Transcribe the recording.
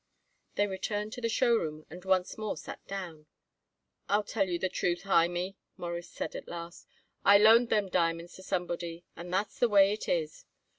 They returned to the show room and once more sat down. "I'll tell you the truth, Hymie," Morris said at last. "I loaned them diamonds to somebody, and that's the way it is."